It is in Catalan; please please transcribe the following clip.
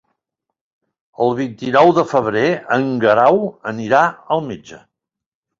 El vint-i-nou de febrer en Guerau anirà al metge.